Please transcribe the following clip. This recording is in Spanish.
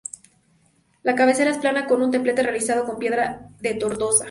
La cabecera es plana con un templete realizado con piedra de Tortosa.